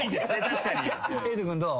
瑛人君どう？